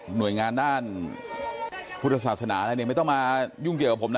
หน่วยงานด้านพุทธศาสนาอะไรเนี่ยไม่ต้องมายุ่งเกี่ยวกับผมนะ